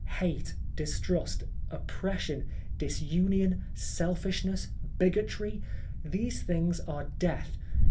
Hate, distrust, oppres sion, disunion, selfishness, bigotry — these things are Death.